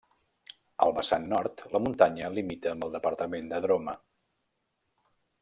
Al vessant nord, la muntanya limita amb el departament de Droma.